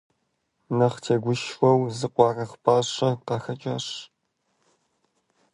Нэхъ тегушхуэу зы къуаргъ пӀащэ къахэкӀащ.